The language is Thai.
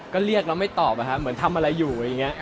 ก็เรียกแล้วไม่ตอบอะครับเหมือนทำอะไรอยู่อย่างนี้